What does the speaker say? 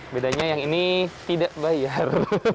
bedanya yang ini tidak bayar